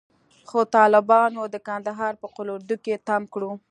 خو طالبانو د کندهار په قول اردو کښې تم کړو.